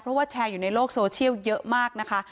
เพราะว่าแชร์อยู่ในโลกโซเชียลเยอะมากนะคะ